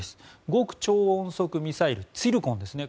極超音速ミサイルツィルコンですね